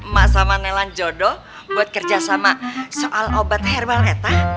mak sama nelan jodoh buat kerjasama soal obat herbal eta